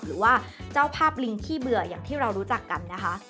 หรือว่าเจ้าภาพลิงขี้เบื่ออย่างที่เรารู้จักกันนะคะ